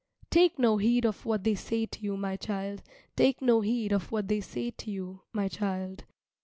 Take no heed of what they say to you, my child. Take no heed of what they say to you, my child.